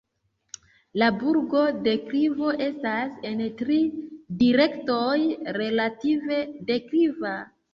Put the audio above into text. La burga deklivo estas en tri direktoj relative dekliva.